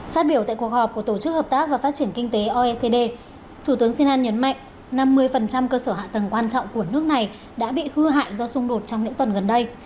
phát biểu tại cuộc họp của tổ chức hợp tác và phát triển kinh tế oecd thủ tướng sunan nhấn mạnh năm mươi cơ sở hạ tầng quan trọng của nước này đã bị hư hại do xung đột trong những tuần gần đây